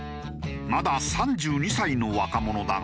まだ３２歳の若者だが。